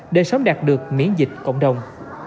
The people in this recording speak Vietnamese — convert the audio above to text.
để sớm đạt được miễn dịch cộng đồng